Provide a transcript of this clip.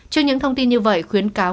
trước những thông tin như vậy khuyến cáo